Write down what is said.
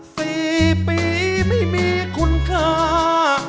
สี่ปีไม่มีคุณค่า